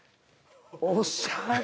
おっしゃれ。